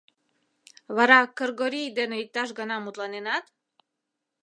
Вара Кыргорий дене иктаж гана мутланенат?